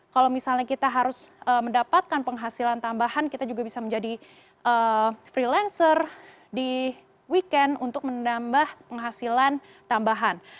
kalau misalnya kita harus mendapatkan penghasilan tambahan kita juga bisa menjadi freelancer di weekend untuk menambah penghasilan tambahan